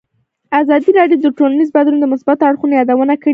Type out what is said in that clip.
ازادي راډیو د ټولنیز بدلون د مثبتو اړخونو یادونه کړې.